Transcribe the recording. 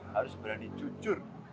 harus berani jujur